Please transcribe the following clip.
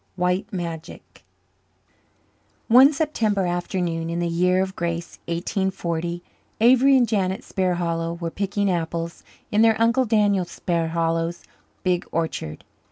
White Magic One September afternoon in the year of grace 1840 Avery and Janet Sparhallow were picking apples in their Uncle Daniel Sparhallow's big orchard.